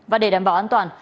và để đảm bảo an toàn